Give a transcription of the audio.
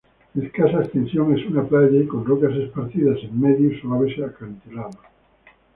De escasa extensión, es una playa con rocas esparcidas en medio y suaves acantilados.